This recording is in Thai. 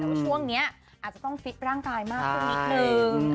แต่ว่าช่วงนี้อาจจะต้องฟิตร่างกายมากขึ้นนิดนึง